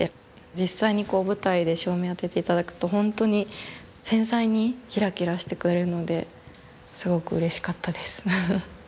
実際に舞台で照明を当てて頂くと本当に繊細にキラキラしてくれるのですごくうれしかったです。